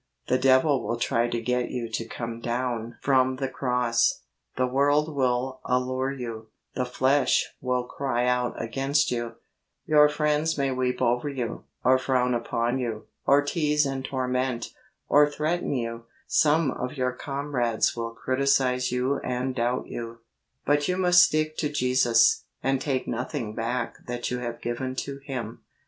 The Devil will try to get you to come down HOW TO KEEP HOLINESS 6i from the Cross ; the world will allure you ; the flesh will cry out against you ; your friends may weep over you, or frown upon you, or tease and torment, or threaten you ; some of your comrades will criticize you and doubt you, but you must stick to Jesus, and take nothing back that you have given to Him.